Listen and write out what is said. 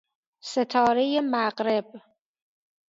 ستاره مغرب